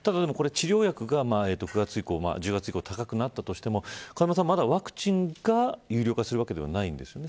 ただ、治療薬が１０月以降高くなったとしてもまだ、ワクチンが有料化するわけではないんですよね。